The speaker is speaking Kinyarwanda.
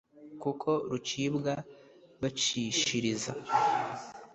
kuko rucibwa bacishiriza